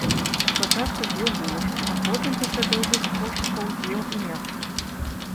Спачатку з'еў булачку, а потым, пасля доўгіх пошукаў, з'еў і мяса.